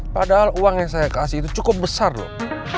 padahal uang yang saya kasih itu cukup besar loh